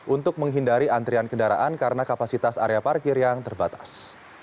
untuk menghindari antrian kendaraan karena kapasitas area parkir yang terbatas